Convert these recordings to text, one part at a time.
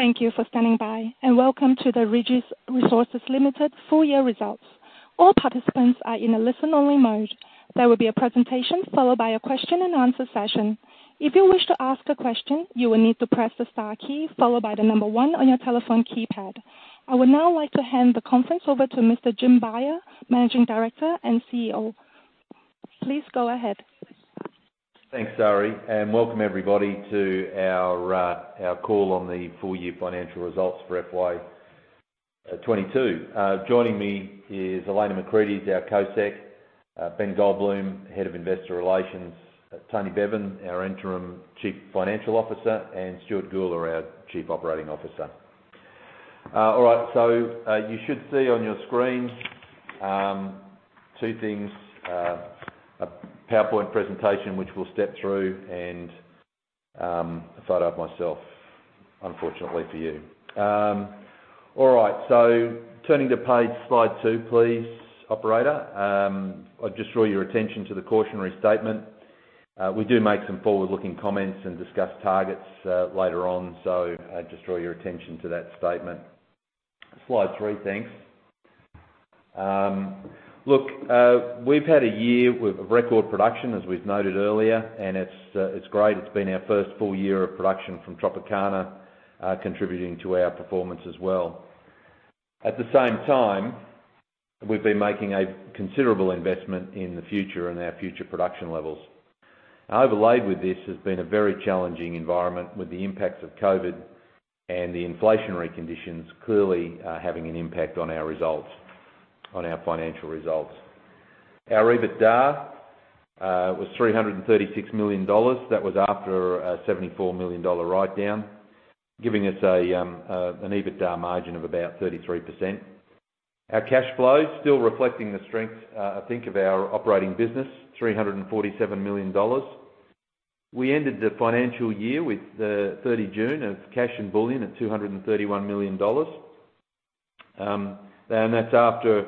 Thank you for standing by, and welcome to the Regis Resources Limited full year results. All participants are in a listen only mode. There will be a presentation, followed by a question and answer session. If you wish to ask a question, you will need to press the star key, followed by the number one on your telephone keypad. I would now like to hand the conference over to Mr. Jim Beyer, Managing Director and CEO. Please go ahead. Thanks, Zari, and welcome everybody to our call on the full year financial results for FY 2022. Joining me is Elena Macrides, our CoSec. Ben Goldbloom, Head of Investor Relations. Tony Bevan, our Interim Chief Financial Officer, and Stuart Gula, our Chief Operating Officer. All right. You should see on your screen two things. A PowerPoint presentation, which we'll step through, and a photo of myself, unfortunately for you. All right. Turning to page, slide 2 please, operator. I'll just draw your attention to the cautionary statement. We do make some forward-looking comments and discuss targets later on, so I just draw your attention to that statement. Slide 3, thanks. Look, we've had a year with record production, as we've noted earlier, and it's great. It's been our first full year of production from Tropicana, contributing to our performance as well. At the same time, we've been making a considerable investment in the future and our future production levels. Overlaid with this has been a very challenging environment with the impacts of COVID and the inflationary conditions clearly having an impact on our results, on our financial results. Our EBITDA was 336 million dollars. That was after a 74 million dollar write-down, giving us an EBITDA margin of about 33%. Our cash flow is still reflecting the strength, I think, of our operating business, 347 million dollars. We ended the financial year with 30 June of cash and bullion at 231 million dollars. That's after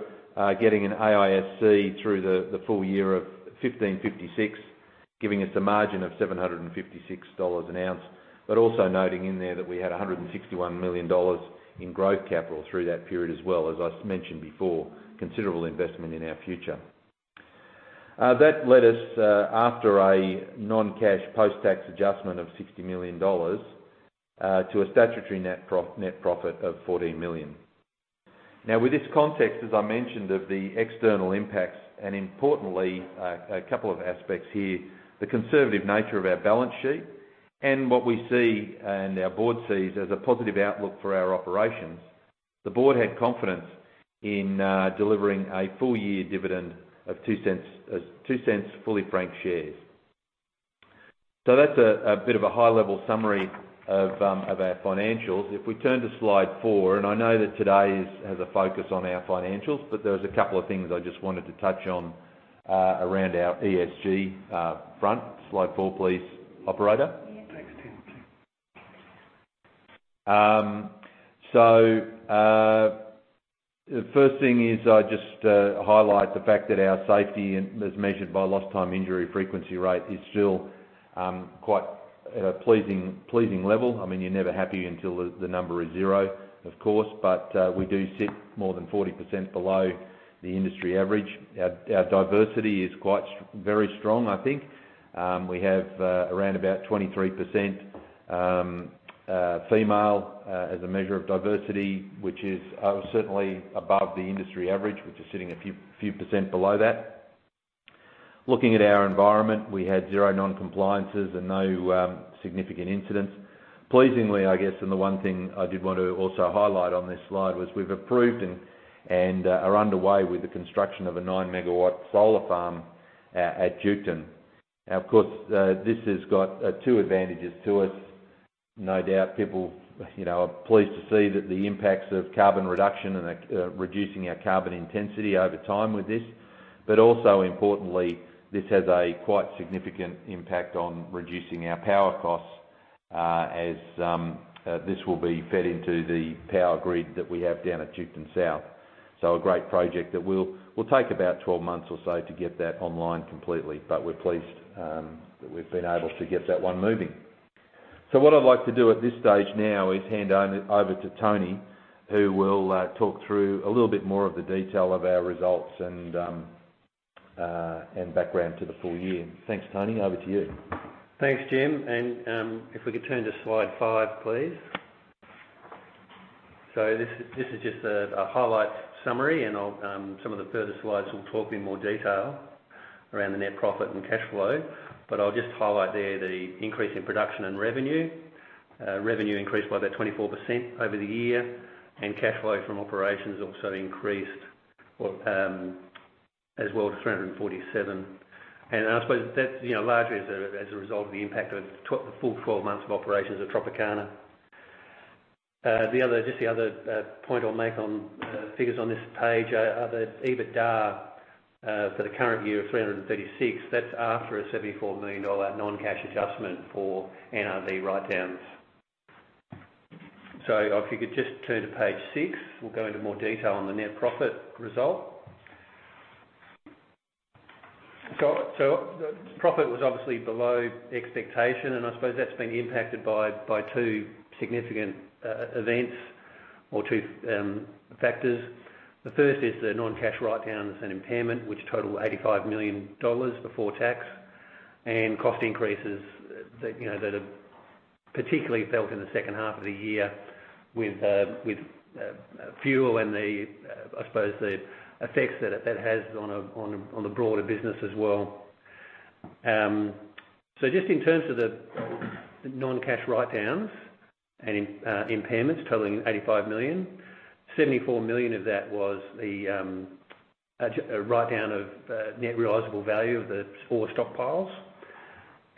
getting an AISC through the full year of 1,556, giving us a margin of $756 an ounce. Also noting in there that we had $161 million in growth capital through that period as well, as I mentioned before, considerable investment in our future. That led us after a non-cash post-tax adjustment of $60 million to a statutory net profit of $14 million. Now, with this context, as I mentioned, of the external impacts, and importantly, a couple of aspects here, the conservative nature of our balance sheet and what we see, and our board sees, as a positive outlook for our operations. The board had confidence in delivering a full year dividend of 2 cents fully franked shares. That's a bit of a high-level summary of our financials. If we turn to slide four, and I know that today has a focus on our financials, but there was a couple of things I just wanted to touch on around our ESG front. Slide four, please, operator. Yes. The first thing is I just highlight the fact that our safety as measured by Lost Time Injury Frequency Rate is still quite a pleasing level. I mean, you're never happy until the number is zero, of course, but we do sit more than 40% below the industry average. Our diversity is very strong, I think. We have around about 23% female as a measure of diversity, which is certainly above the industry average, which is sitting a few percent below that. Looking at our environment, we had zero non-compliances and no significant incidents. Pleasingly, I guess, the one thing I did want to also highlight on this slide was we've approved and are underway with the construction of a 9 MW solar farm at Duketon. Now, of course, this has got two advantages to it. No doubt, people, you know, are pleased to see that the impacts of carbon reduction and the reducing our carbon intensity over time with this. Also importantly, this has a quite significant impact on reducing our power costs, as this will be fed into the power grid that we have down at Duketon South. A great project that will take about 12 months or so to get that online completely. We're pleased that we've been able to get that one moving. What I'd like to do at this stage now is hand it over to Tony, who will talk through a little bit more of the detail of our results and background to the full year. Thanks, Tony. Over to you. Thanks, Jim. If we could turn to slide five, please. This is just a highlight summary and some of the further slides will talk in more detail around the net profit and cash flow. I'll just highlight there the increase in production and revenue. Revenue increased by about 24% over the year, and cash flow from operations also increased as well to 347 million. I suppose that's you know largely as a result of the impact of the full 12 months of operations at Tropicana. The other point I'll make on figures on this page are the EBITDA for the current year of 336 million. That's after a 74 million dollar non-cash adjustment for NRV write-downs. If you could just turn to page 6, we'll go into more detail on the net profit result. Profit was obviously below expectation, and I suppose that's been impacted by two significant events or two factors. The first is the non-cash write-downs and impairments, which total 85 million dollars before tax and cost increases that, you know, have particularly hit in the second half of the year with fuel and the effects that it has on the broader business as well. Just in terms of the non-cash write-downs and impairments totaling 85 million, 74 million of that was a write-down of net realizable value of the ore stockpiles.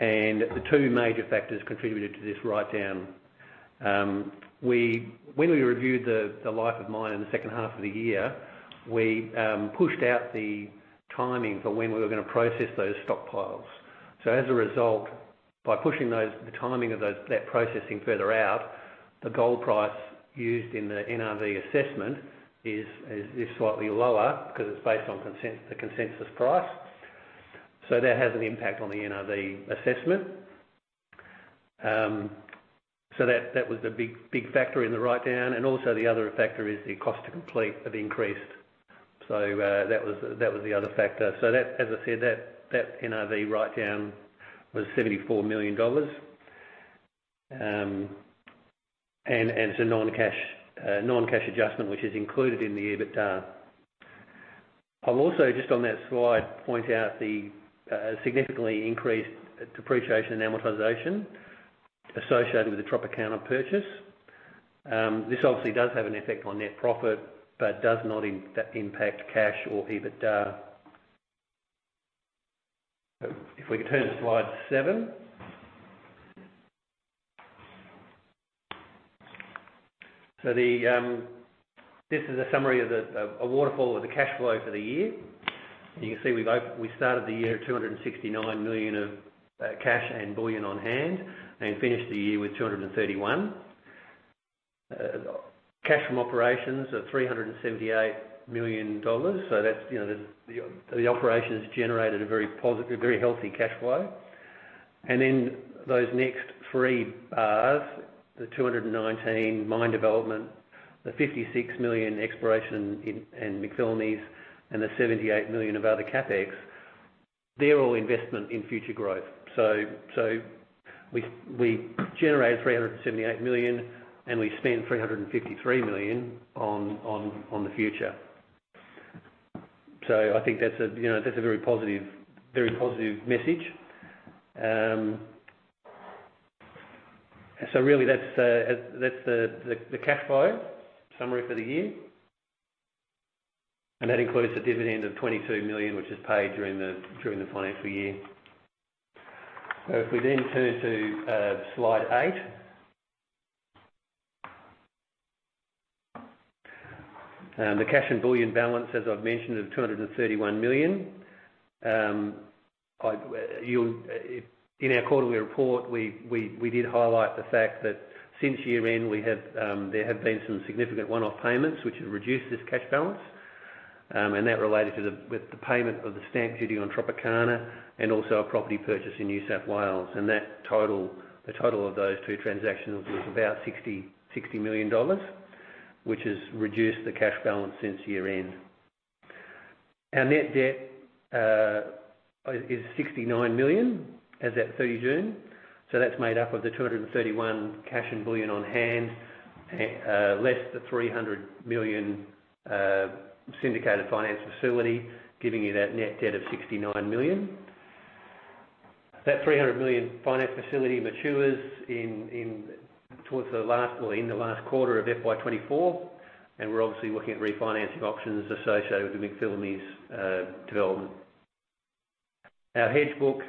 The two major factors contributed to this write-down. When we reviewed the life of mine in the second half of the year, we pushed out the timing for when we were gonna process those stockpiles. As a result, by pushing the timing of that processing further out, the gold price used in the NRV assessment is slightly lower because it's based on the consensus price. That has an impact on the NRV assessment. That was the big factor in the write-down. Also, the other factor is the cost to complete have increased. That was the other factor. That, as I said, NRV write-down was AUD 74 million. It's a non-cash adjustment, which is included in the EBITDA. I'll also, just on that slide, point out the significantly increased depreciation and amortization associated with the Tropicana purchase. This obviously does have an effect on net profit, but does not impact cash or EBITDA. If we could turn to slide 7. This is a summary of the waterfall with the cash flow for the year. You can see we started the year at 269 million of cash and bullion on hand, and finished the year with 231 million. Cash from operations of 378 million dollars. That's, you know, the operations generated a very positive, very healthy cash flow. Those next three bars, the 219 mine development, the 56 million exploration in McPhillamys, and the 78 million of other CapEx, they're all investment in future growth. We generated 378 million, and we spent 353 million on the future. I think that's a, you know, that's a very positive message. Really that's the cash flow summary for the year. That includes the dividend of 22 million, which was paid during the financial year. If we then turn to slide eight. The cash and bullion balance, as I've mentioned, is 231 million. In our quarterly report, we did highlight the fact that since year-end, there have been some significant one-off payments which have reduced this cash balance. That related to the payment of the stamp duty on Tropicana and also a property purchase in New South Wales. The total of those two transactions was about 60 million dollars, which has reduced the cash balance since year-end. Our net debt is 69 million as at 30 June. That's made up of the 231 million cash and bullion on hand, less the 300 million syndicated finance facility, giving you that net debt of 69 million. That 300 million finance facility matures in the last quarter of FY 2024, and we're obviously looking at refinancing options associated with the McPhillamys development. Our hedge book,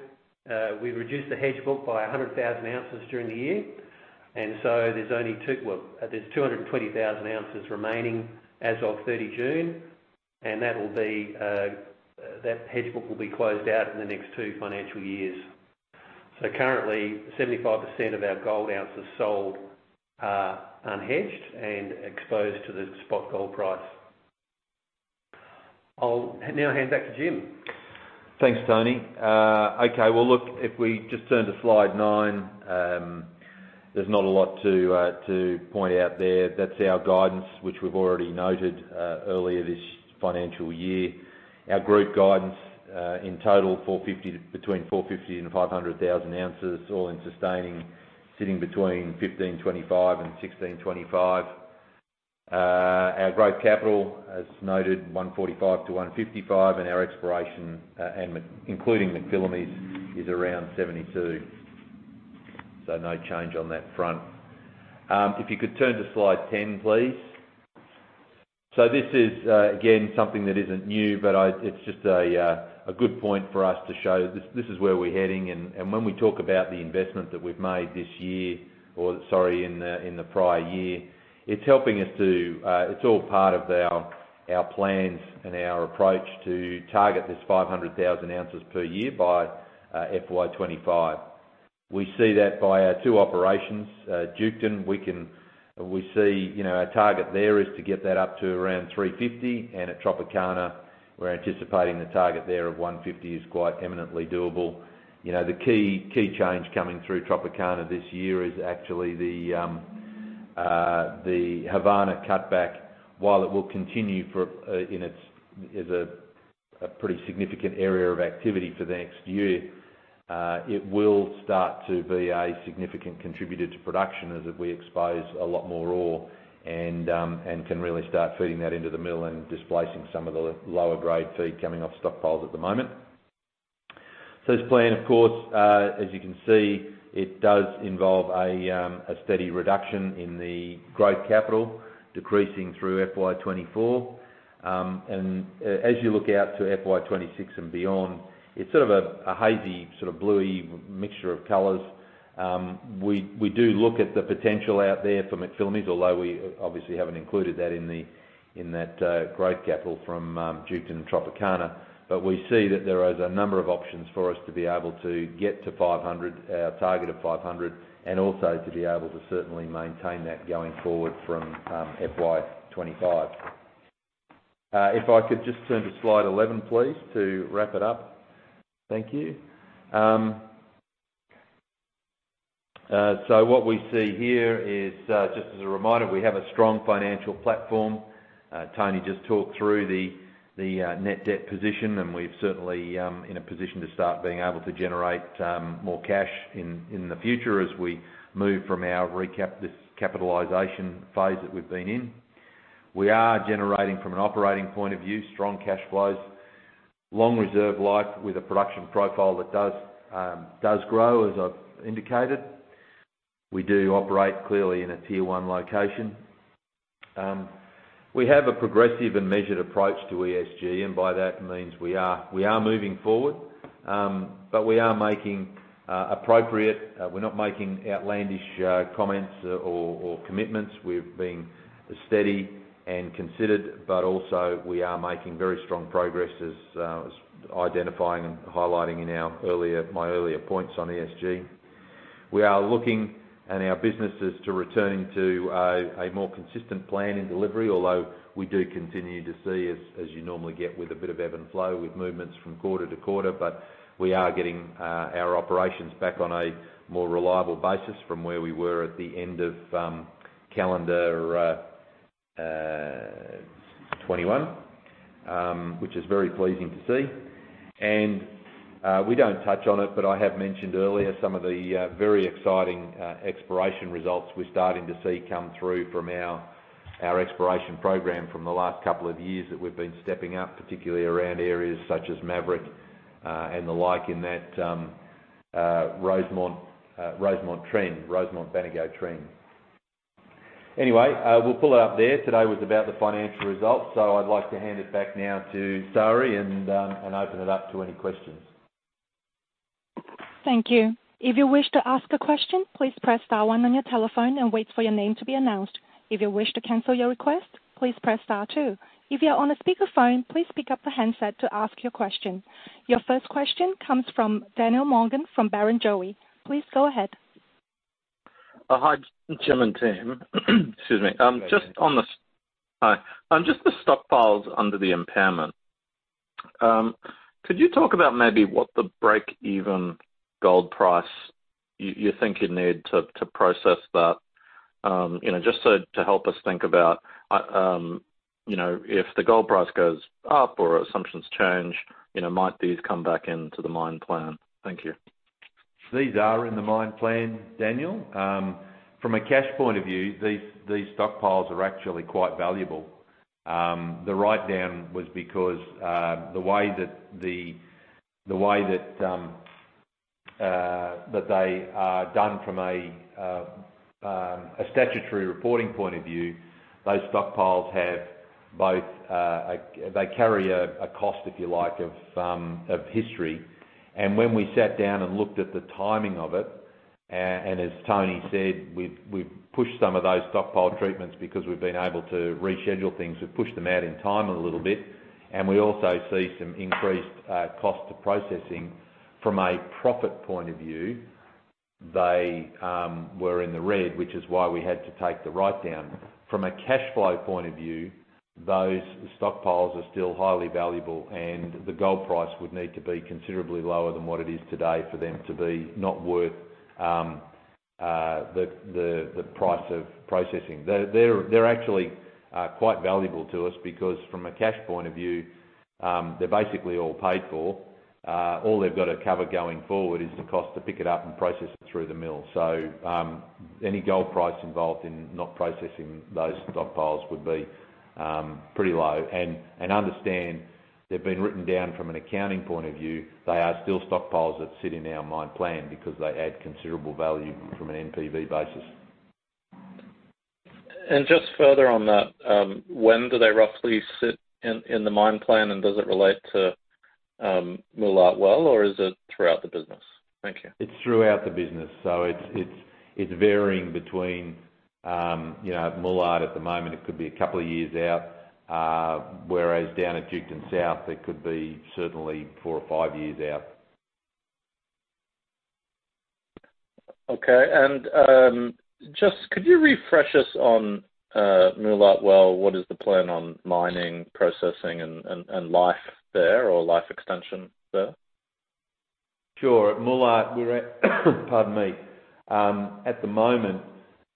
we've reduced the hedge book by 100,000 ounces during the year, and there's 220,000 ounces remaining as of 30 June, and that'll be, that hedge book will be closed out in the next two financial years. Currently, 75% of our gold ounces sold are unhedged and exposed to the spot gold price. I'll now hand back to Jim. Thanks, Tony. Okay. Well, look, if we just turn to slide nine, there's not a lot to point out there. That's our guidance, which we've already noted earlier this financial year. Our group guidance in total, 450-500 thousand ounces, all in sustaining sitting between 1,525 and 1,625. Our growth capital, as noted, 145 million-155 million, and our exploration and including McPhillamys is around 72 million. No change on that front. If you could turn to slide ten, please. This is again something that isn't new, but it's just a good point for us to show this. This is where we're heading. When we talk about the investment that we've made this year or, sorry, in the prior year, it's all part of our plans and our approach to target this 500,000 ounces per year by FY 2025. We see that by our two operations. Duketon, we see, you know, our target there is to get that up to around 350. At Tropicana, we're anticipating the target there of 150 is quite eminently doable. You know, the key change coming through Tropicana this year is actually the Havana cutback. While it will continue for as a pretty significant area of activity for the next year, it will start to be a significant contributor to production as we expose a lot more ore and can really start feeding that into the mill and displacing some of the lower grade feed coming off stockpiles at the moment. This plan, of course, as you can see, it does involve a steady reduction in the growth capital, decreasing through FY 2024. As you look out to FY 2026 and beyond, it's sort of a hazy, sort of bluey mixture of colors. We do look at the potential out there for McPhillamys, although we obviously haven't included that in that growth capital from Duketon and Tropicana. We see that there is a number of options for us to be able to get to 500, our target of 500, and also to be able to certainly maintain that going forward from FY 2025. If I could just turn to slide 11, please, to wrap it up. Thank you. What we see here is, just as a reminder, we have a strong financial platform. Tony just talked through the net debt position, and we're certainly in a position to start being able to generate more cash in the future as we move from our recap, this capitalization phase that we've been in. We are generating, from an operating point of view, strong cash flows. Long reserve life with a production profile that does grow, as I've indicated. We do operate clearly in a tier one location. We have a progressive and measured approach to ESG, and by that means we are moving forward. We are making appropriate, we're not making outlandish comments or commitments. We've been steady and considered, but also we are making very strong progress, as identifying and highlighting in my earlier points on ESG. We are looking and our business is to return to a more consistent plan in delivery, although we do continue to see, as you normally get with a bit of ebb and flow with movements from quarter to quarter. We are getting our operations back on a more reliable basis from where we were at the end of calendar 2021, which is very pleasing to see. We don't touch on it, but I have mentioned earlier some of the very exciting exploration results we're starting to see come through from our exploration program from the last couple of years that we've been stepping up, particularly around areas such as Maverick and the like in that Rosemont-Baneygo trend. Anyway, we'll pull it up there. Today was about the financial results, so I'd like to hand it back now to Zari and open it up to any questions. Thank you. If you wish to ask a question, please press star one on your telephone and wait for your name to be announced. If you wish to cancel your request, please press star two. If you are on a speakerphone, please pick up the handset to ask your question. Your first question comes from Daniel Morgan from Barrenjoey. Please go ahead. Hi, Jim and Tim. Excuse me. Just on the Go again. Hi. Just the stockpiles under the impairment. Could you talk about maybe what the break-even gold price you think you need to process that? You know, just to help us think about, you know, if the gold price goes up or assumptions change, you know, might these come back into the mine plan? Thank you. These are in the mine plan, Daniel. From a cash point of view, these stockpiles are actually quite valuable. The write-down was because the way that they are done from a statutory reporting point of view, those stockpiles they carry a cost, if you like, of historic. When we sat down and looked at the timing of it, and as Tony said, we've pushed some of those stockpile treatments because we've been able to reschedule things. We've pushed them out in time a little bit, and we also see some increased cost to processing. From a profit point of view, they were in the red, which is why we had to take the write-down. From a cash flow point of view, those stockpiles are still highly valuable and the gold price would need to be considerably lower than what it is today for them to be not worth the price of processing. They're actually quite valuable to us because from a cash point of view, they're basically all paid for. All they've got to cover going forward is the cost to pick it up and process it through the mill. Any gold price involved in not processing those stockpiles would be pretty low. Understand they've been written down from an accounting point of view. They are still stockpiles that sit in our mine plan because they add considerable value from an NPV basis. Just further on that, when do they roughly sit in the mine plan, and does it relate to Moolart Well, or is it throughout the business? Thank you. It's throughout the business. It's varying between, you know, at Moolart at the moment, it could be a couple of years out. Whereas down at Duketon South, it could be certainly 4 or 5 years out. Just could you refresh us on Moolart Well? What is the plan on mining, processing and life there, or life extension there? Sure. At the moment,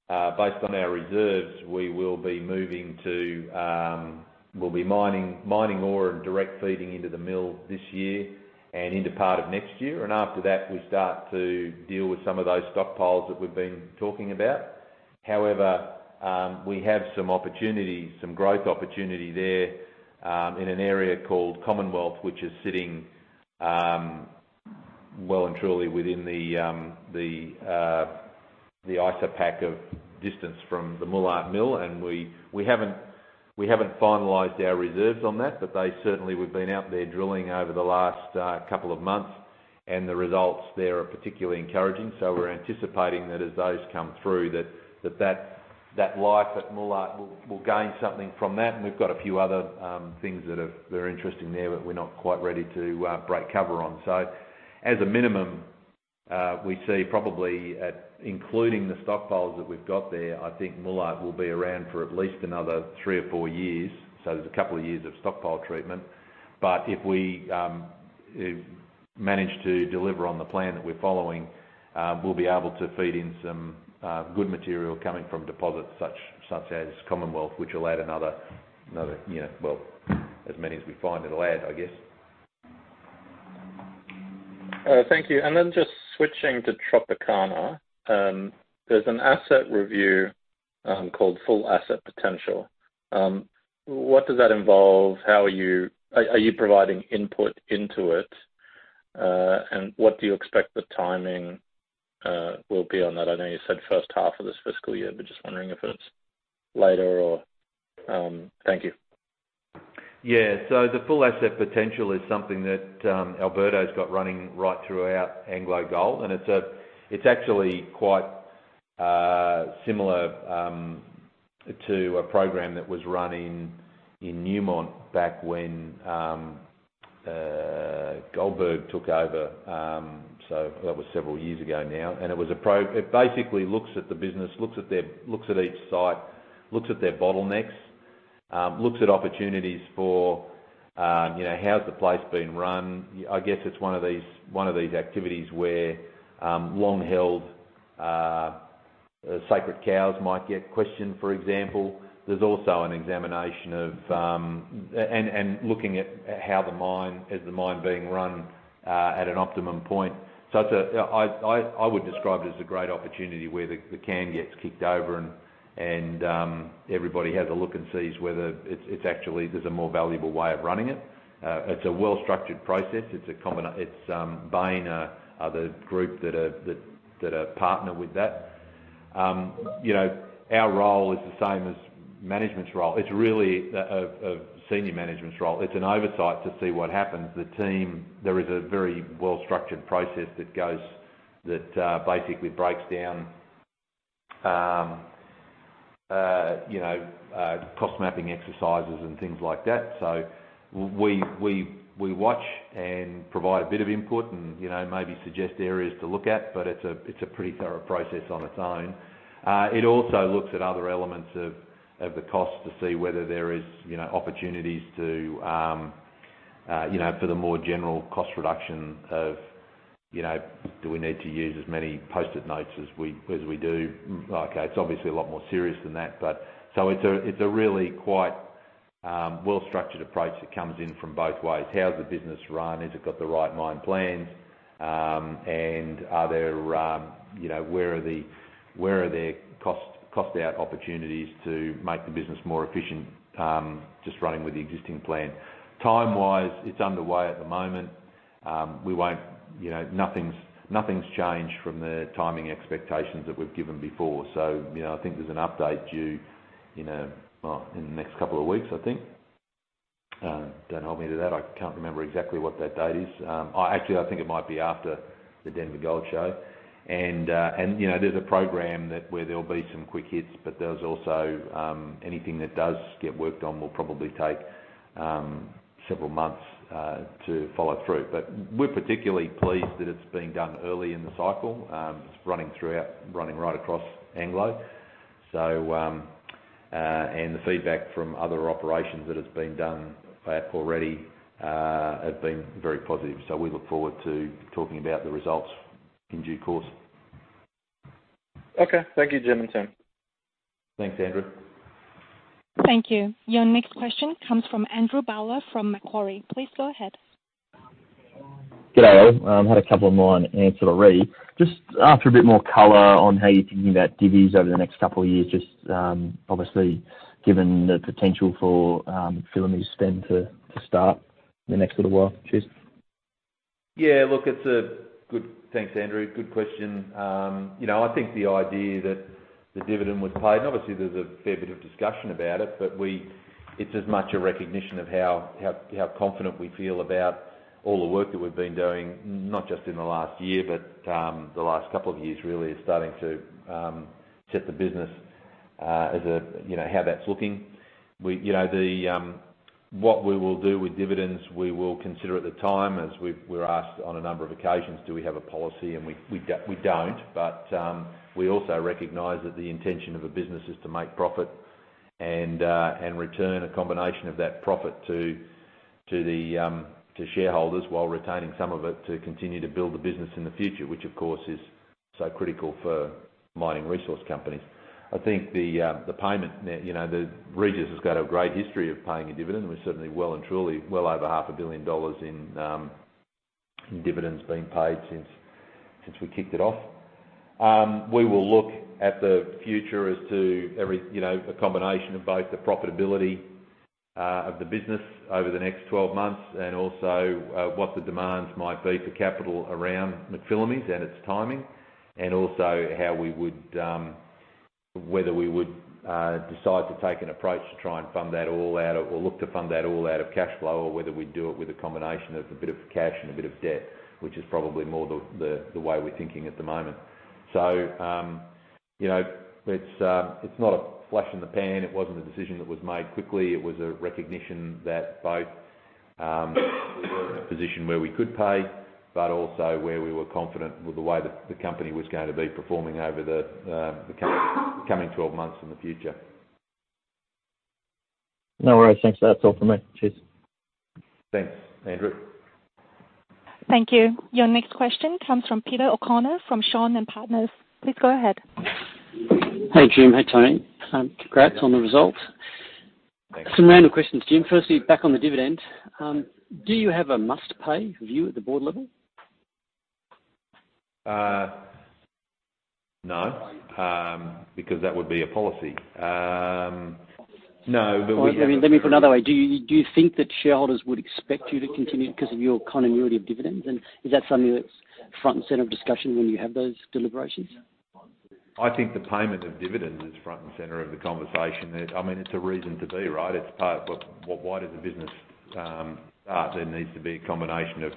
based on our reserves, we will be moving to. We'll be mining ore and direct feeding into the mill this year and into part of next year. After that, we start to deal with some of those stockpiles that we've been talking about. However, we have some opportunity, some growth opportunity there, in an area called Commonwealth, which is sitting well and truly within the economic haulage distance from the Moolart Mill. We haven't finalized our reserves on that, but we've been out there drilling over the last couple of months. The results there are particularly encouraging. We're anticipating that as those come through, that life at Moolart will gain something from that. We've got a few other things that are interesting there that we're not quite ready to break cover on. As a minimum, we see probably that including the stockpiles that we've got there, I think Moolart will be around for at least another three or four years. There's a couple of years of stockpile treatment. If we manage to deliver on the plan that we're following, we'll be able to feed in some good material coming from deposits such as Commonwealth, which will add another, you know, well, as many as we find it'll add, I guess. Thank you. Just switching to Tropicana. There's an asset review called Full Asset Potential. What does that involve? Are you providing input into it? What do you expect the timing will be on that? I know you said first half of this fiscal year, but just wondering if it's later or. Thank you. The Full Asset Potential is something that Alberto's got running right throughout AngloGold Ashanti. It's actually quite similar to a program that was running in Newmont back when Goldberg took over, so that was several years ago now. It basically looks at the business, looks at each site, looks at their bottlenecks. Looks at opportunities for, you know, how's the place being run. I guess it's one of these activities where long-held sacred cows might get questioned, for example. There's also an examination of, and looking at how the mine is being run at an optimum point. I would describe it as a great opportunity where the can gets kicked over and everybody has a look and sees whether it's actually there's a more valuable way of running it. It's a well-structured process. It's common. It's Bain, the group that are partnering with that. You know, our role is the same as management's role. It's really a senior management's role. It's an oversight to see what happens. The team there is a very well-structured process that basically breaks down you know cost mapping exercises and things like that. We watch and provide a bit of input and you know maybe suggest areas to look at, but it's a pretty thorough process on its own. It also looks at other elements of the cost to see whether there is, you know, opportunities to, you know, for the more general cost reduction of, you know, do we need to use as many Post-it notes as we do? Okay, it's obviously a lot more serious than that. It's a really quite well-structured approach that comes in from both ways. How's the business run? Has it got the right mine plans? And are there, you know, where are there cost-out opportunities to make the business more efficient, just running with the existing plan. Time-wise, it's underway at the moment. We won't, you know, nothing's changed from the timing expectations that we've given before. You know, I think there's an update due in the next couple of weeks, I think. Don't hold me to that. I can't remember exactly what that date is. Or actually, I think it might be after the Denver Gold Forum. You know, there's a program that where there'll be some quick hits, but there's also anything that does get worked on will probably take several months to follow through. We're particularly pleased that it's being done early in the cycle, just running throughout, running right across Anglo. The feedback from other operations that it's been done already have been very positive. We look forward to talking about the results in due course. Okay. Thank you, Jim and Tony. Thanks, Daniel. Thank you. Your next question comes from Andrew Bowler from Macquarie. Please go ahead. Good day. Had a couple more on ancillary. Just after a bit more color on how you're thinking about divvies over the next couple of years, just, obviously, given the potential for Filo mine spend to start in the next little while. Cheers. Yeah, look, it's a good question. Thanks, Andrew. You know, I think the idea that the dividend was paid, and obviously there's a fair bit of discussion about it, but it's as much a recognition of how confident we feel about all the work that we've been doing, not just in the last year, but the last couple of years really is starting to set the business, you know, how that's looking. You know, what we will do with dividends, we will consider at the time, as we've been asked on a number of occasions, do we have a policy? We don't. We also recognize that the intention of a business is to make profit and return a combination of that profit to the shareholders while retaining some of it to continue to build the business in the future, which, of course, is so critical for mining resource companies. I think the payment, you know, Regis has got a great history of paying a dividend, and we're certainly well and truly over half a billion AUD in dividends being paid since we kicked it off. We will look at the future as to, you know, a combination of both the profitability of the business over the next 12 months and also what the demands might be for capital around McPhillamys and its timing, and also how we would decide to take an approach to try and fund that all out of cash flow, or whether we do it with a combination of a bit of cash and a bit of debt, which is probably more the way we're thinking at the moment. You know, it's not a flash in the pan. It wasn't a decision that was made quickly. It was a recognition that both we were in a position where we could pay, but also where we were confident with the way that the company was gonna be performing over the coming twelve months in the future. No worries. Thanks. That's all for me. Cheers. Thanks, Andrew. Thank you. Your next question comes from Peter O'Connor, from Shaw and Partners. Please go ahead. Hey, Jim. Hey, Tony. Congrats on the results. Thanks. Some random questions, Jim. Firstly, back on the dividend, do you have a must-pay view at the board level? No, because that would be a policy. No, but All right. Let me put it another way. Do you think that shareholders would expect you to continue because of your continuity of dividends? Is that something that's front and center of discussion when you have those deliberations? I think the payment of dividends is front and center of the conversation. I mean, it's a reason to be, right? It's part of, well, why does the business start? There needs to be a combination of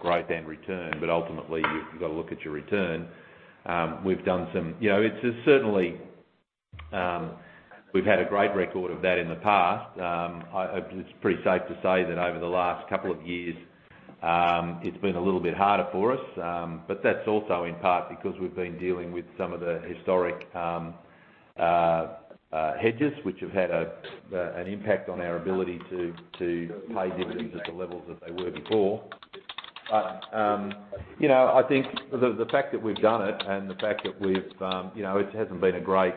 growth and return. Ultimately, you've got to look at your return. You know, it's certainly we've had a great record of that in the past. It's pretty safe to say that over the last couple of years, it's been a little bit harder for us, but that's also in part because we've been dealing with some of the historic hedges, which have had an impact on our ability to pay dividends at the levels that they were before. You know, I think the fact that we've done it and the fact that we've you know it hasn't been a great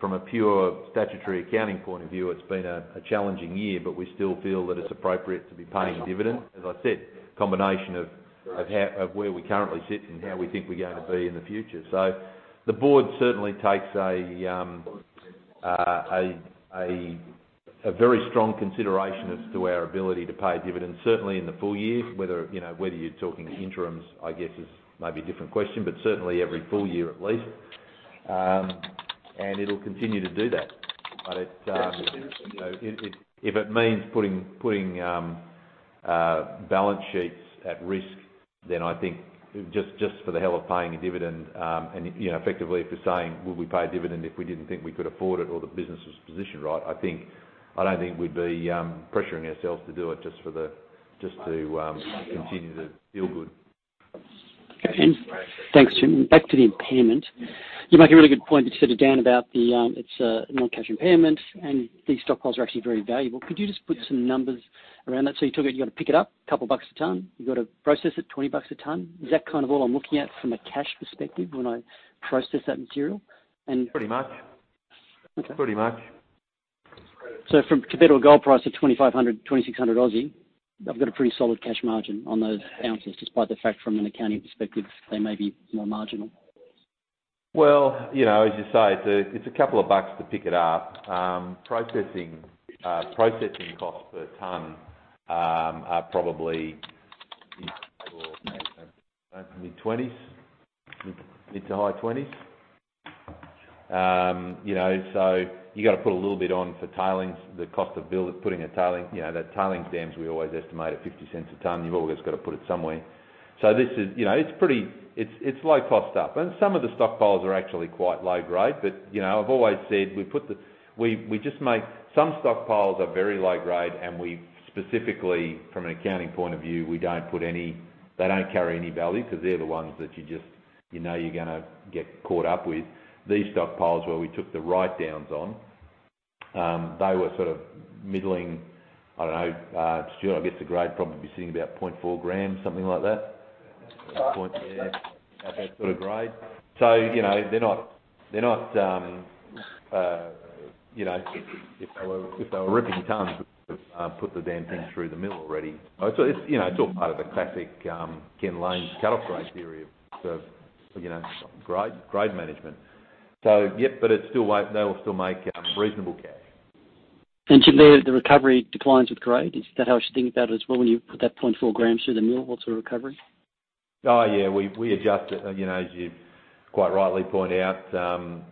from a pure statutory accounting point of view. It's been a challenging year, but we still feel that it's appropriate to be paying a dividend. As I said, combination of where we currently sit and how we think we're going to be in the future. The board certainly takes a very strong consideration as to our ability to pay dividends, certainly in the full year. Whether you know whether you're talking interims, I guess is maybe a different question, but certainly every full year at least. It'll continue to do that. It, you know, if it means putting balance sheets at risk, then I think just for the hell of paying a dividend, and, you know, effectively if we're saying, will we pay a dividend if we didn't think we could afford it or the business was positioned right, I think, I don't think we'd be pressuring ourselves to do it just to continue to feel good. Okay then. Thanks, Jim. Back to the impairment. You make a really good point. You said it, Dan, about it's non-cash impairment, and these stockpiles are actually very valuable. Could you just put some numbers around that? You took it, you got to pick it up, AUD 2 a ton. You've got to process it, 20 bucks a ton. Is that kind of all I'm looking at from a cash perspective when I process that material? Pretty much. Okay. Pretty much. From capital gold price of 2,500, 2,600 Aussie, I've got a pretty solid cash margin on those ounces, despite the fact from an accounting perspective, they may be more marginal. Well, you know, as you say, it's a couple of bucks to pick it up. Processing costs per ton are probably mid- to mid-20s, mid- to high 20s. You know, so you got to put a little bit on for tailings, the cost of build, putting a tailings, you know, the tailings dams, we always estimate at 0.50 per ton. You've always got to put it somewhere. This is, you know, it's pretty, it's low cost up. Some of the stockpiles are actually quite low grade. You know, I've always said we put the, we just make some stockpiles are very low grade, and we specifically from an accounting point of view, we don't put any, they don't carry any value because they're the ones that you just, you know you're gonna get caught up with. These stockpiles where we took the write-downs on, they were sort of middling. I don't know, Stuart, I guess the grade probably be sitting about 0.4 grams, something like that. Yeah. About that sort of grade. You know, they're not. You know, if they were ripping tons, put the damn thing through the mill already. It's, you know, it's all part of the classic Kenneth Lane cutoff grade theory of, you know, grade management. Yep, but it's still. They will still make reasonable cash. Should the recovery decline with grade? Is that how I should think about it as well when you put that 0.4 grams through the mill? What's the recovery? Oh, yeah, we adjust it. You know, as you quite rightly point out,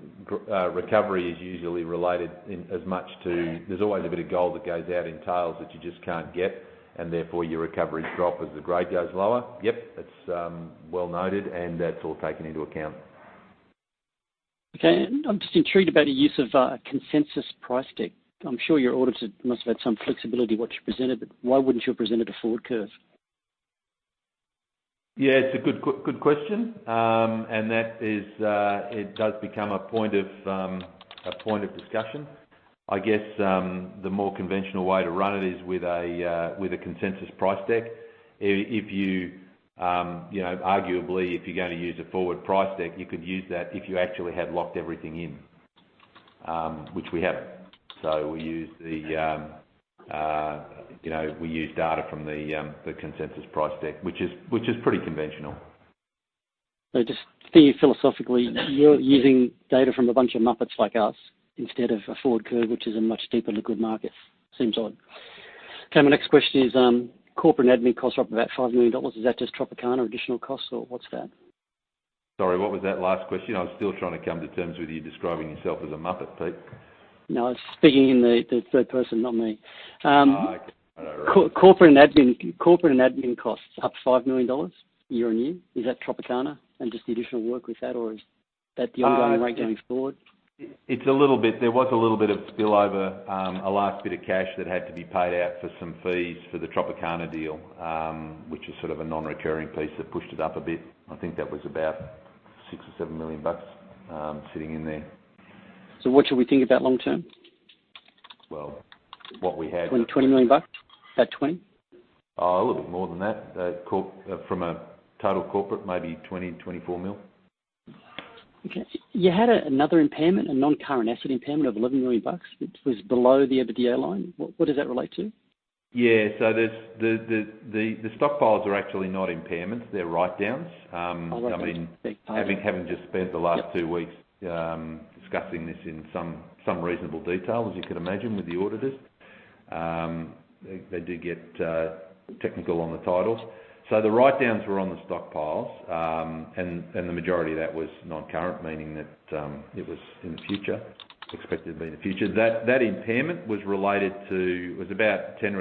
recovery is usually related in as much to. There's always a bit of gold that goes out in tails that you just can't get, and therefore your recoveries drop as the grade goes lower. Yep, that's well noted, and that's all taken into account. Okay. I'm just intrigued about the use of consensus price deck. I'm sure your auditors must have had some flexibility what you presented, but why wouldn't you have presented a forward curve? Yeah, it's a good question. That is, it does become a point of discussion. I guess the more conventional way to run it is with a consensus price deck. If you know, arguably, if you're gonna use a forward price deck, you could use that if you actually had locked everything in, which we haven't. We use data from the consensus price deck, which is pretty conventional. Just thinking philosophically, you're using data from a bunch of muppets like us instead of a forward curve, which is a much deeper liquid market. Seems odd. Okay, my next question is, corporate admin costs are up about 5 million dollars. Is that just Tropicana additional costs, or what's that? Sorry, what was that last question? I was still trying to come to terms with you describing yourself as a muppet, Pete. No, I was speaking in the third person, not me. Okay. All right. Corporate and admin costs up 5 million dollars year-on-year. Is that Tropicana and just the additional work with that, or is that the ongoing rate going forward? It's a little bit. There was a little bit of spillover, a last bit of cash that had to be paid out for some fees for the Tropicana deal, which is sort of a non-recurring piece that pushed it up a bit. I think that was about 6 million or 7 million bucks, sitting in there. What should we think about long term? Well, what we had. 20 million bucks? About 20? A little bit more than that. From a total corporate, maybe 20 million-24 million. Okay. You had another impairment, a non-current asset impairment of 11 million bucks, which was below the EBITDA line. What does that relate to? The stockpiles are actually not impairments, they're writedowns. Write-downs. Okay I mean, having just spent the last Yep Two weeks discussing this in some reasonable detail, as you can imagine, with the auditors, they do get technical on the titles. The write-downs were on the stockpiles. The majority of that was non-current, meaning that it was in the future, expected to be in the future. That impairment was related to was about 10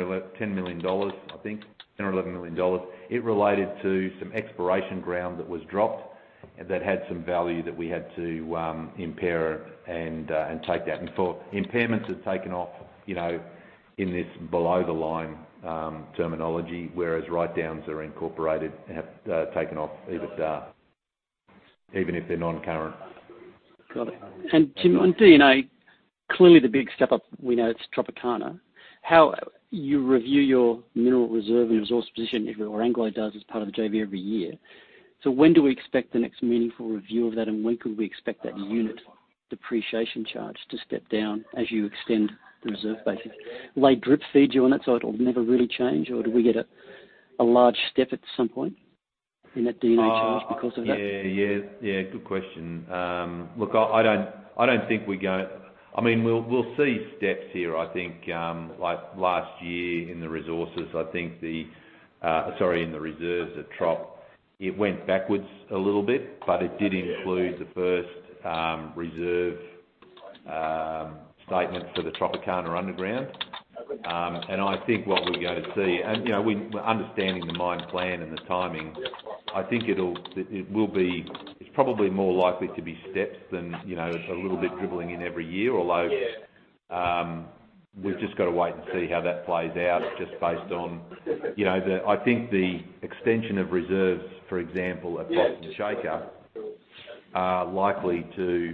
million dollars or 11 million dollars, I think, AUD 10 million or AUD 11 million. It related to some exploration ground that was dropped that had some value that we had to impair and take that. For impairments, it's taken off, you know, in this below the line terminology, whereas write-downs are incorporated and have taken off even if they're non-current. Got it. On D&A, clearly the big step up, we know it's Tropicana. How you review your mineral reserve and resource position, if your Anglo does as part of the JV every year. When do we expect the next meaningful review of that, and when could we expect that unit depreciation charge to step down as you extend the reserve base? Will they drip feed you on it, so it'll never really change, or do we get a large step at some point in that D&A charge because of that? Yeah, good question. Look, I don't think we're gonna. I mean, we'll see steps here. I think like last year in the resources, I think sorry, in the reserves at Trop, it went backwards a little bit, but it did include the first reserve statement for the Tropicana underground. I think what we're going to see, you know, understanding the mine plan and the timing, I think it will be. It's probably more likely to be steps than, you know, a little bit dribbling in every year. Although, we've just gotta wait and see how that plays out just based on, you know, the. I think the extension of reserves, for example, at Boston Shaker, are likely to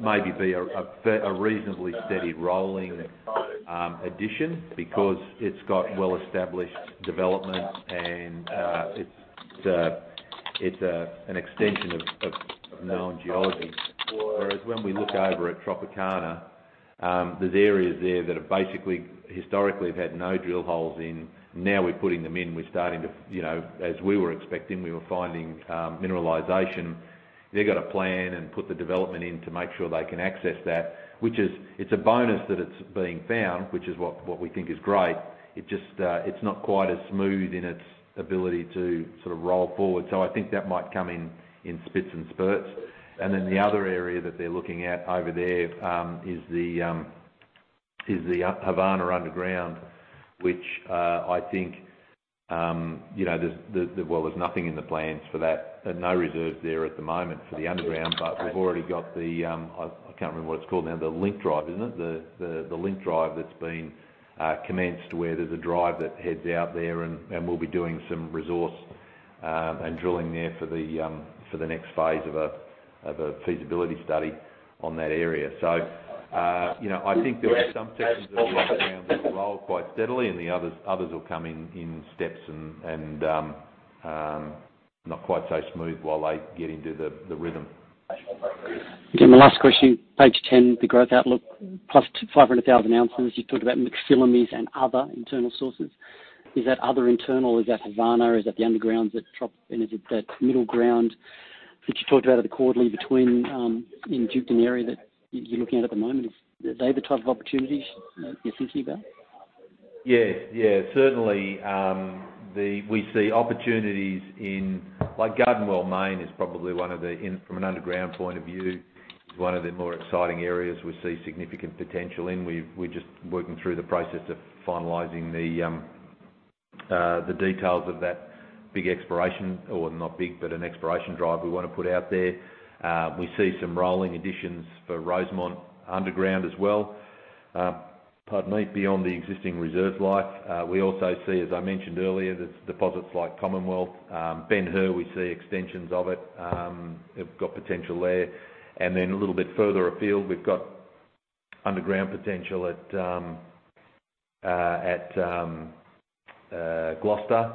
maybe be a reasonably steady rolling addition because it's got well-established development and it's an extension of known geology. Whereas when we look over at Tropicana, there's areas there that have basically historically have had no drill holes in. Now we're putting them in, we're starting to, you know, as we were expecting, we were finding mineralization. They've got to plan and put the development in to make sure they can access that. Which is, it's a bonus that it's being found, which is what we think is great. It just, it's not quite as smooth in its ability to sort of roll forward. I think that might come in spits and spurts. The other area that they're looking at over there is the Havana underground, which I think you know. Well, there's nothing in the plans for that. There are no reserves there at the moment for the underground. Okay We've already got the, I can't remember what it's called now. The link drive, isn't it? The link drive that's been commenced, where there's a drive that heads out there and we'll be doing some resource and drilling there for the next phase of a feasibility study on that area. You know, I think there'll be some sections that will underground that will roll quite steadily, and the others will come in steps and not quite so smooth while they get into the rhythm. Okay, my last question. Page 10, the growth outlook, plus 500,000 ounces. You talked about McPhillamys and other internal sources. Is that other internal, is that Havana? Is that the undergrounds at Trop? Is it that middle ground that you talked about at the quarterly between in Duketon area that you're looking at at the moment? Are they the type of opportunities that you're thinking about? Yes. Yeah, certainly, we see opportunities in like Garden Well Main is probably one of the more exciting areas from an underground point of view we see significant potential in. We're just working through the process of finalizing the details of that big exploration or not big, but an exploration drive we wanna put out there. We see some rolling additions for Rosemont underground as well. Pardon me, beyond the existing reserve life. We also see, as I mentioned earlier, there's deposits like Commonwealth, Ben Hur, we see extensions of it. They've got potential there. Then a little bit further afield, we've got underground potential at Gloucester,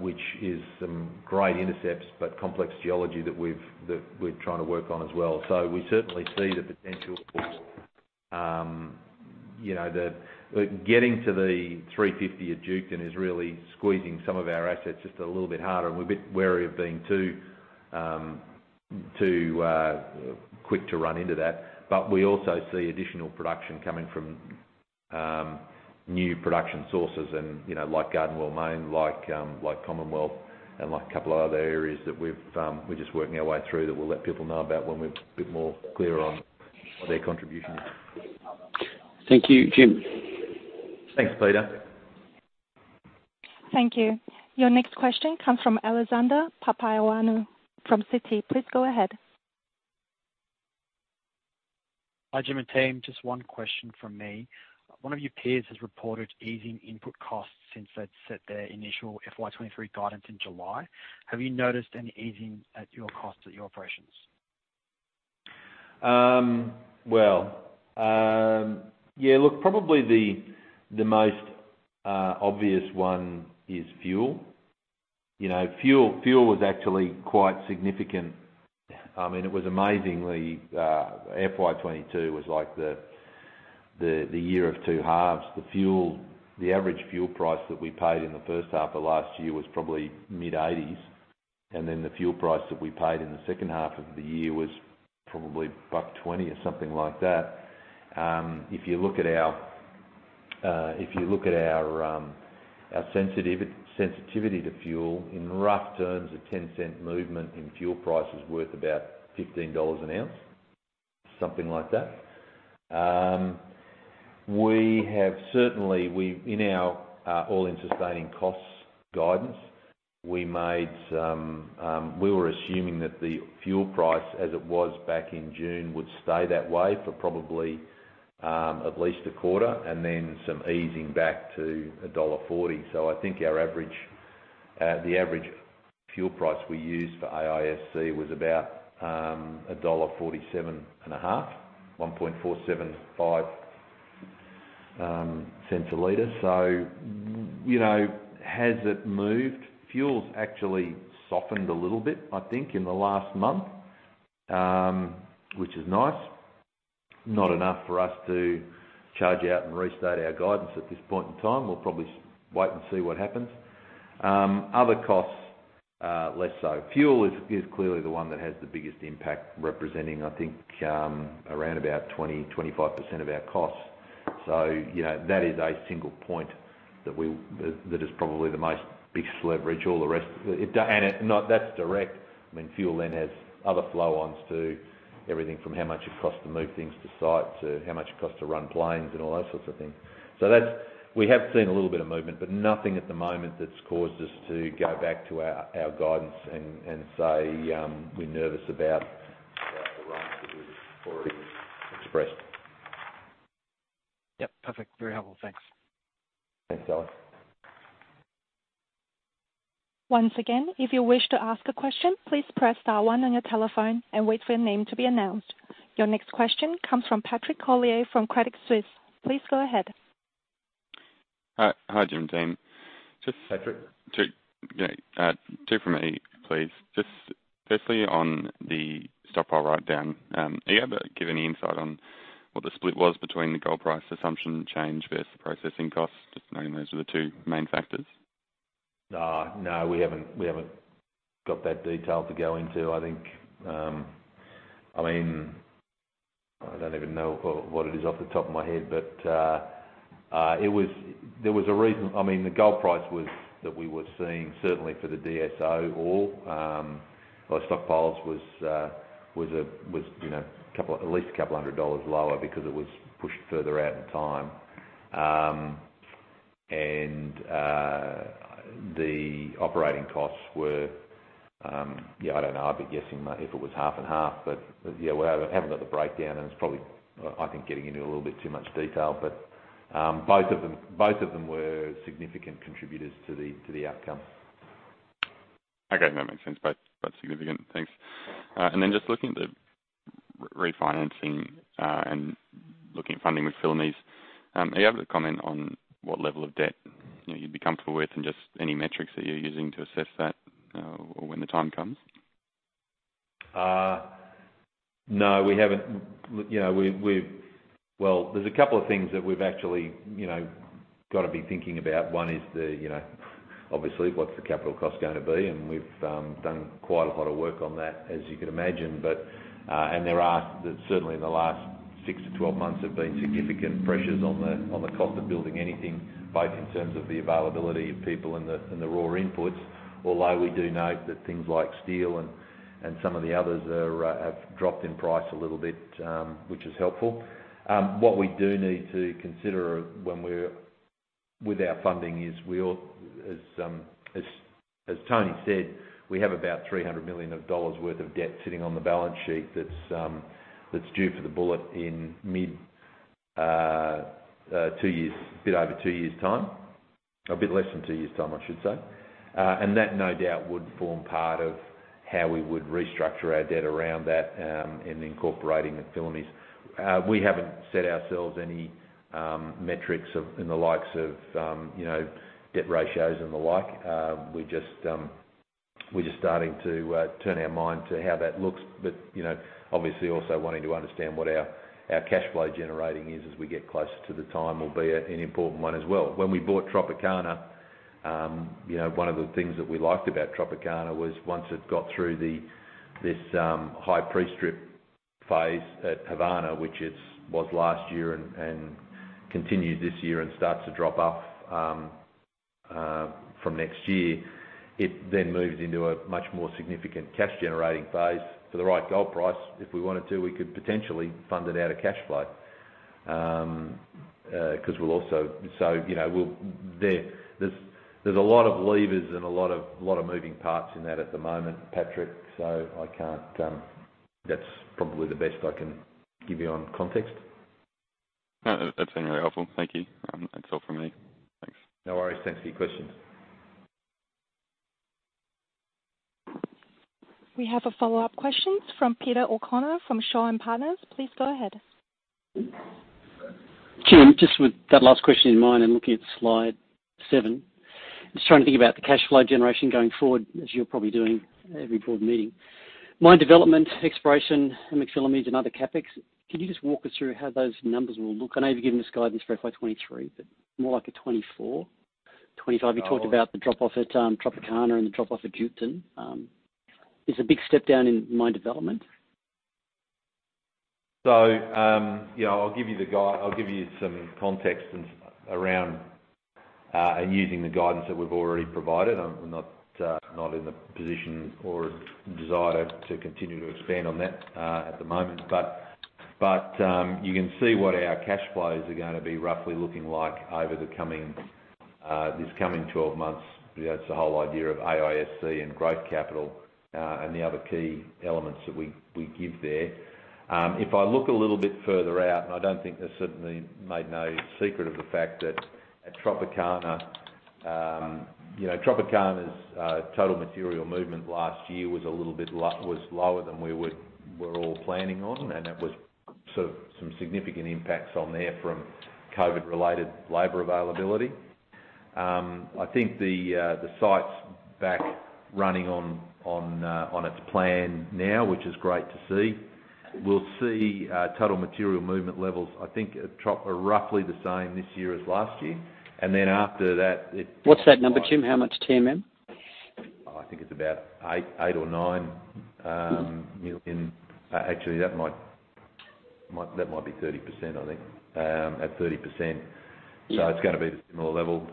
which is some great intercepts, but complex geology that we're trying to work on as well. We certainly see the potential. You know, getting to the 350 at Duketon is really squeezing some of our assets just a little bit harder, and we're a bit wary of being too quick to run into that. We also see additional production coming from new production sources and, you know, like Garden Well Mine, like Commonwealth and like a couple of other areas that we're just working our way through that we'll let people know about when we're a bit more clear on what their contribution is. Thank you, Jim. Thanks, Peter. Thank you. Your next question comes from Alexander Papaioannou, from Citi. Please go ahead. Hi, Jim and team. Just one question from me. One of your peers has reported easing input costs since they'd set their initial FY 2023 guidance in July. Have you noticed any easing at your costs at your operations? Well, yeah, look, probably the most obvious one is fuel. You know, fuel was actually quite significant. I mean, it was amazingly, FY 2022 was like the year of two halves. The average fuel price that we paid in the first half of last year was probably mid-80s, and then the fuel price that we paid in the second half of the year was probably 120 or something like that. If you look at our sensitivity to fuel, in rough terms, a 10-cent movement in fuel price is worth about 15 dollars an ounce, something like that. We have certainly in our all-in sustaining costs guidance, we made some... We were assuming that the fuel price as it was back in June would stay that way for probably at least a quarter, and then some easing back to dollar 1.40. I think our average, the average fuel price we used for AISC was about AUD 1.475 per litre. You know, has it moved? Fuel's actually softened a little bit, I think, in the last month, which is nice. Not enough for us to charge out and restate our guidance at this point in time. We'll probably wait and see what happens. Other costs, less so. Fuel is clearly the one that has the biggest impact representing, I think, around about 20-25% of our costs. You know, that is a single point that is probably the most big leverage. All the rest, no, that's direct. I mean, fuel then has other flow-ons to everything from how much it costs to move things to site, to how much it costs to run planes and all those sorts of things. That's. We have seen a little bit of movement, but nothing at the moment that's caused us to go back to our guidance and say, we're nervous about the runs that we've already expressed. Yep. Perfect. Very helpful. Thanks. Thanks, Alex. Once again, if you wish to ask a question, please press star one on your telephone and wait for your name to be announced. Your next question comes from Patrick Collier from Credit Suisse. Please go ahead. Hi. Hi, Jim and team. Patrick. Two, yeah, two from me, please. Just firstly, on the stockpile write down, are you able to give any insight on what the split was between the gold price assumption change versus processing costs? Just knowing those are the two main factors. No, we haven't got that detail to go into. I think, I mean, I don't even know what it is off the top of my head. There was a reason. I mean, the gold price that we were seeing, certainly for the DSO ore or stockpiles, was, you know, at least 200 dollars lower because it was pushed further out in time. The operating costs were, yeah, I don't know. I'd be guessing if it was half and half. Yeah, we haven't got the breakdown, and it's probably, I think, getting into a little bit too much detail, but both of them were significant contributors to the outcome. Okay. That makes sense. Both significant. Thanks. Just looking at the refinancing and looking at funding with McPhillamys, are you able to comment on what level of debt, you know, you'd be comfortable with and just any metrics that you're using to assess that, or when the time comes? No, we haven't. You know, we've. Well, there's a couple of things that we've actually, you know, got be thinking about. One is, you know, obviously, what's the capital cost gonna be? We've done quite a lot of work on that, as you can imagine, but there's certainly in the last 6-12 months have been significant pressures on the cost of building anything, both in terms of the availability of people and the raw inputs. Although we do note that things like steel and some of the others have dropped in price a little bit, which is helpful. What we need to consider with our funding is, as Tony said, we have about 300 million dollars worth of debt sitting on the balance sheet that's due for the bullet in mid two years, a bit over two years' time. A bit less than two years' time, I should say. That, no doubt, would form part of how we would restructure our debt around that in incorporating McPhillamys. We haven't set ourselves any metrics of, in the likes of, you know, debt ratios and the like. We're just starting to turn our mind to how that looks. You know, obviously also wanting to understand what our cash flow generating is as we get closer to the time will be an important one as well. When we bought Tropicana, you know, one of the things that we liked about Tropicana was once it got through this high pre-strip phase at Havana, which was last year and continued this year and starts to drop off from next year. It then moves into a much more significant cash-generating phase for the right gold price. If we wanted to, we could potentially fund it out of cash flow. 'Cause we'll also. So, you know, there is a lot of levers and a lot of moving parts in that at the moment, Patrick, so I can't. That's probably the best I can give you on context. No, that's been really helpful. Thank you. That's all from me. Thanks. No worries. Thanks for your question. We have a follow-up question from Peter O'Connor, from Shaw and Partners. Please go ahead. Jim, just with that last question in mind and looking at slide 7. Just trying to think about the cash flow generation going forward, as you're probably doing every board meeting. Mine development, exploration, and McPhillamys and other CapEx, can you just walk us through how those numbers will look? I know you've given us guidance for FY 2023, but more like 2024, 2025. You talked about the drop-off at Tropicana and the drop-off at Duketon. It's a big step down in mine development. Yeah, I'll give you some context around in using the guidance that we've already provided. I'm not in the position or desire to continue to expand on that at the moment. You can see what our cash flows are gonna be roughly looking like over the coming this coming twelve months. You know, it's the whole idea of AISC and growth capital and the other key elements that we give there. If I look a little bit further out, I don't think that's certainly made no secret of the fact that at Tropicana, you know, Tropicana's total material movement last year was a little bit lower than we were all planning on, and it was sort of some significant impacts on there from COVID-related labor availability. I think the site's back running on its plan now, which is great to see. We'll see total material movement levels, I think, at Trop are roughly the same this year as last year. After that, it What's that number, Jim? How much TMM? I think it's about 8 or 9 million. Actually, that might be 30%, I think. At 30%. Yeah. It's gonna be a similar level.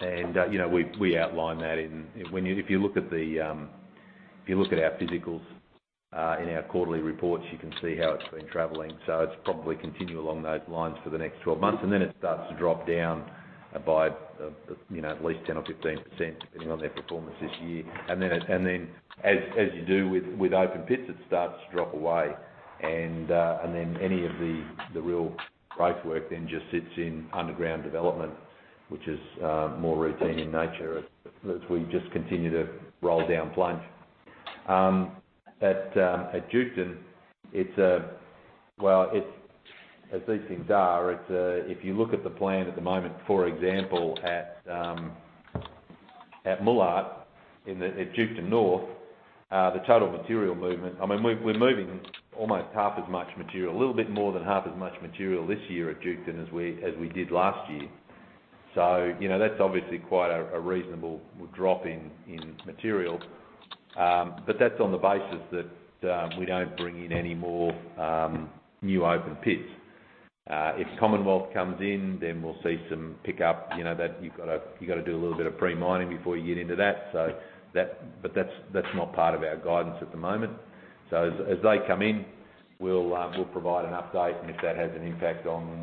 You know, we outline that. When you look at our physicals in our quarterly reports, you can see how it's been traveling. It's probably continue along those lines for the next 12 months, and then it starts to drop down by at least 10 or 15%, depending on their performance this year. Then, as you do with open pits, it starts to drop away. Then any of the real growth work just sits in underground development, which is more routine in nature as we just continue to roll down plunge. At Duketon, it's as these things are, if you look at the plan at the moment, for example, at Moolart in Duketon North, the total material movement, I mean, we're moving almost half as much material, a little bit more than half as much material this year at Duketon as we did last year. You know, that's obviously quite a reasonable drop in material. But that's on the basis that we don't bring in any more new open pits. If Commonwealth comes in, then we'll see some pickup. You know, you've gotta do a little bit of pre-mining before you get into that. But that's not part of our guidance at the moment. As they come in, we'll provide an update, and if that has an impact on,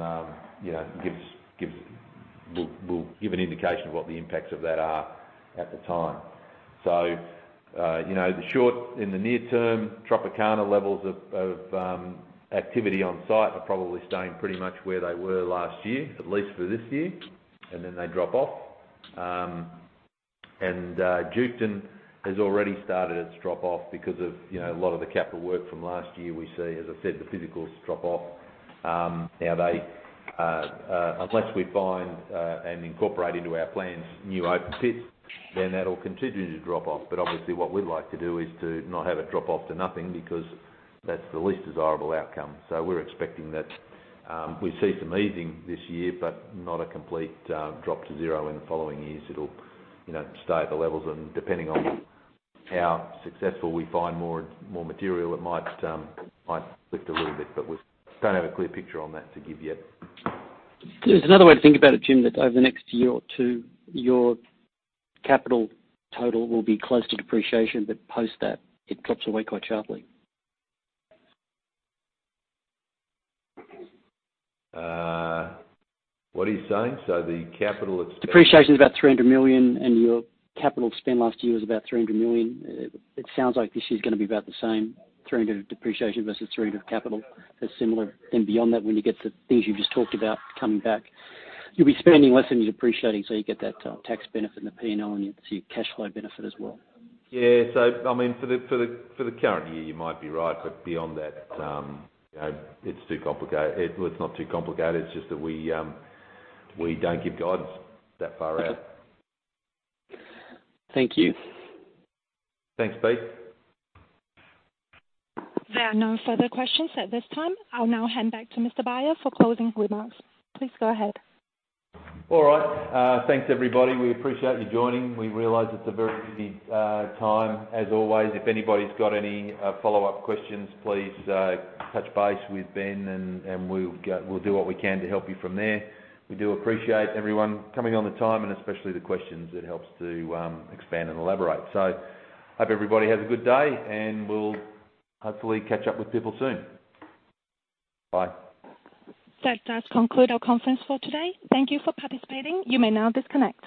you know, we'll give an indication of what the impacts of that are at the time. In the near term, Tropicana levels of activity on site are probably staying pretty much where they were last year, at least for this year, and then they drop off. Duketon has already started its drop off because of, you know, a lot of the capital work from last year. We see, as I said, the physicals drop off unless we find and incorporate into our plans new open pits, then that'll continue to drop off. Obviously, what we'd like to do is to not have it drop off to nothing because that's the least desirable outcome. We're expecting that we see some easing this year, but not a complete drop to zero in the following years. It'll, you know, stay at the levels and depending on how successful we find more material, it might lift a little bit, but we don't have a clear picture on that to give yet. There's another way to think about it, Jim, that over the next year or two, your capital total will be close to depreciation, but post that, it drops away quite sharply. What are you saying? The capital- Depreciation is about 300 million, and your capital spend last year was about 300 million. It sounds like this year's gonna be about the same, 300 depreciation versus 300 capital. That's similar. Beyond that, when you get the things you've just talked about coming back, you'll be spending less than you're depreciating, so you get that tax benefit and the P&L, and you see a cash flow benefit as well. Yeah. I mean, for the current year, you might be right, but beyond that, you know, well, it's not too complicated. It's just that we don't give guidance that far out. Thank you. Thanks, Pete. There are no further questions at this time. I'll now hand back to Beyer for closing remarks. Please go ahead. All right. Thanks, everybody. We appreciate you joining. We realize it's a very busy time. As always, if anybody's got any follow-up questions, please touch base with Ben, and we'll do what we can to help you from there. We do appreciate everyone coming on the line and especially the questions. It helps to expand and elaborate. Hope everybody has a good day, and we'll hopefully catch up with people soon. Bye. That does conclude our conference for today. Thank you for participating. You may now disconnect.